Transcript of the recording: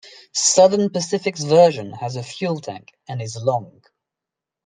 Southern Pacific's version has a fuel tank and is long.